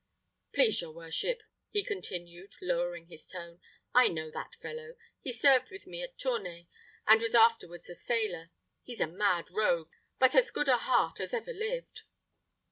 "Please your worship," he continued, lowering his tone, "I know that fellow; he served with me at Tournay, and was afterwards a sailor. He's a mad rogue, but as good a heart as ever lived."